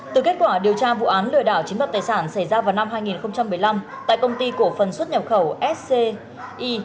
từ kết quả điều tra vụ án lừa đảo chiếm đoạt tài sản xảy ra vào năm hai nghìn một mươi năm tại công ty cổ phần xuất nhập khẩu sci